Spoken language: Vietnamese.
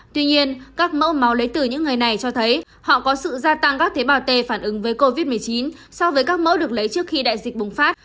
tuy nhiên các mẫu máu lấy từ những người này cho thấy họ có sự gia tăng các tế bào t phản ứng với covid một mươi chín so với các mẫu được lấy trước khi đại dịch bùng phát